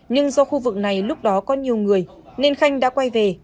nhưng do khu vực này lúc đó có nhiều người nên khanh đã quay về